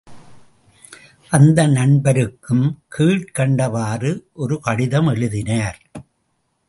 அந்த நண்பருக்கும் கீழ்க் கண்டவாறு ஒரு கடிதம் எழுதினார்.